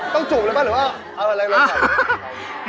ต้องจูบเลยปะหรือว่าเอาอะไรแต่